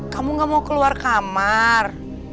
kamu gak mau keluar kamar